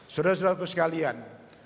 sudah sudah aku sekalian